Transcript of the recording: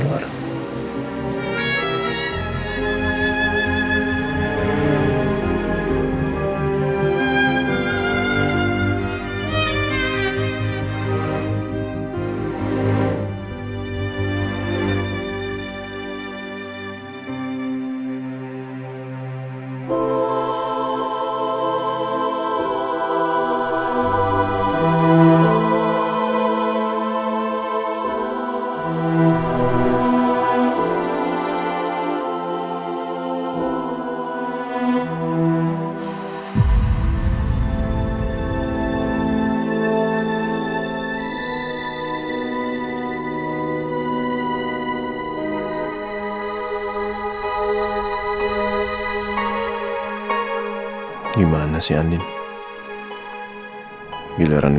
terima kasih tuhan